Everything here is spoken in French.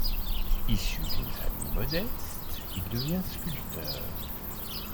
Issu d'une famille modeste, il devient sculpteur.